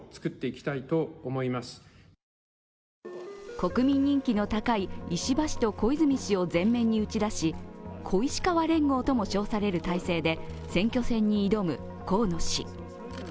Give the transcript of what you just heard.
国民人気の高い石破氏と小泉氏を前面に打ち出し小石河連合とも称される体制で選挙戦に挑む河野氏。